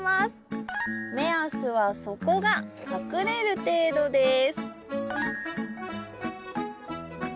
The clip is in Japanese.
目安は底が隠れる程度です。